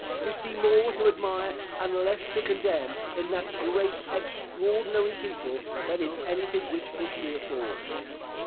We see more to admire, and less to condemn, in that great, extraordinary people, than in anything which history affords.